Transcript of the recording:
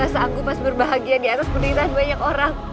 mas aku gak sanggup mas berbahagia di atas penderitaan banyak orang